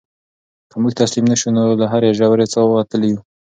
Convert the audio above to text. که موږ تسلیم نه شو نو له هرې ژورې څاه وتلی شو.